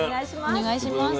お願いします。